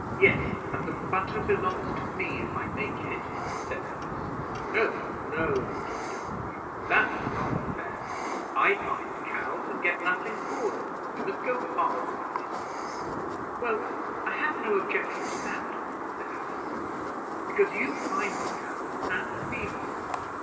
"Yes; and the butter belongs to me, if I make it," said Alice. "No no," replied Humphrey; "that's not fair; I find cows, and get nothing for them. We must go halves Alice." "Well, I've no objection to that," said Alice "because you find the cows and feed them.